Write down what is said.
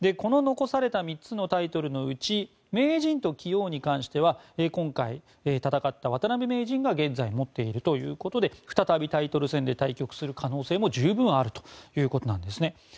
残された３つのタイトルのうち名人と棋王に関しては今回、戦った渡辺名人が現在、持っているということで再びタイトル戦で対局する可能性も十分あるということなんですね。